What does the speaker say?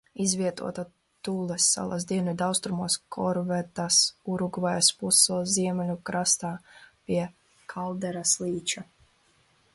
Izvietota Tules salas dienvidaustrumos Korvetas Urugvajas pussalas ziemeļu krastā pie Kalderas līča.